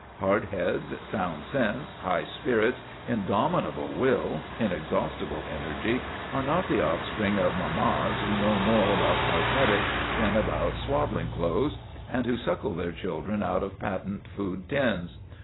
Hard heads, sound sense, high spirits, indomitable will, inexhaustible energy, are not the offspring of mammas who know more about cosmetics than about swaddling clothes, and who suckle their children out of patent food tins.